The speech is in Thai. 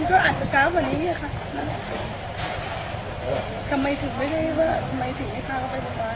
เขาก็คุณตัวไปด้วย